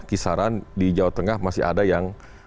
kisaran di jawa tengah masih ada yang